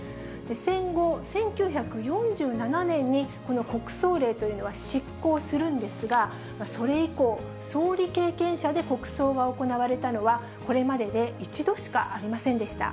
戦後、１９４７年に、この国葬令というのは失効するんですが、それ以降、総理経験者で国葬が行われたのは、これまでで１度しかありませんでした。